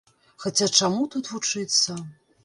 Хаця чаму тут вучыцца?